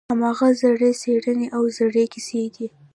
هماغه زړې څېرې او زړې کیسې دي.